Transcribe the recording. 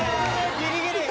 ギリギリ！